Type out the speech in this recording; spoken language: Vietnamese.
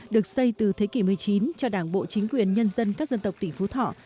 được xây từ thế kỷ một mươi chín cho đảng bộ chính quyền nhân dân các dân tộc tỉnh phú thọ